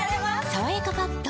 「さわやかパッド」